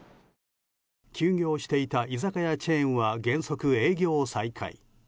休業していた居酒屋チェーンは原則営業再開。